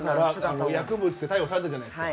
薬物で逮捕されたじゃないですか。